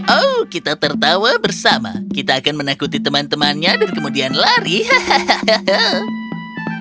oh kita tertawa bersama kita akan menakuti teman temannya dan kemudian lari hahaha